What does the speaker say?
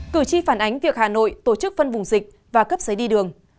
cử tri phản ánh việc hà nội tổ chức phân vùng dịch và cấp giấy đi đường